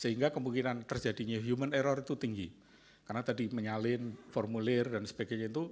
sehingga kemungkinan terjadinya human error itu tinggi karena tadi menyalin formulir dan sebagainya itu